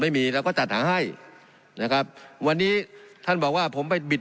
ไม่มีเราก็จัดหาให้นะครับวันนี้ท่านบอกว่าผมไปบิด